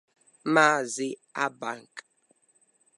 maazị Abang